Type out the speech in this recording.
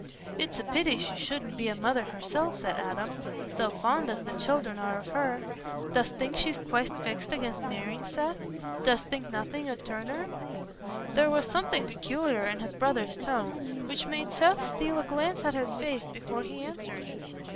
"It's a pity she shouldna be a mother herself," said Adam, "so fond as the children are of her. Dost think she's quite fixed against marrying, Seth? Dost think nothing 'ud turn her?" There was something peculiar in his brother's tone, which made Seth steal a glance at his face before he answered.